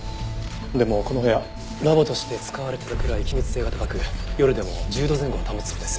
でもこの部屋ラボとして使われてたくらい気密性が高く夜でも１０度前後は保つそうです。